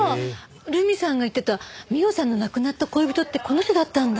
留美さんが言ってた美緒さんの亡くなった恋人ってこの人だったんだ。